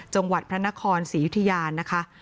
จังหวัดพระนครศรียุธยานะคะ